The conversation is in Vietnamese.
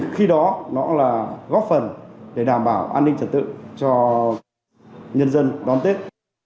khi đó nó là góp phần để đảm bảo an ninh trật tự cho nhân dân đón tết